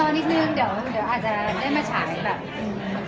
ก็อ่ะรอนิดนึงรอนิดนึงเดี๋ยวอาจจะได้มาใช้แบบนี้